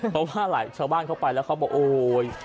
เพราะว่าหลายชาวบ้านเข้าไปแล้วเขาบอกโอ๊ย